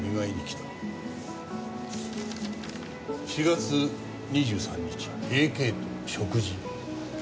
「４月２３日Ａ．Ｋと食事」